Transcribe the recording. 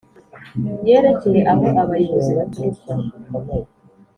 yerekeye aho abayobozi baturuka